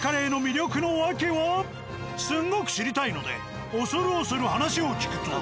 すんごく知りたいので恐る恐る話を聞くと。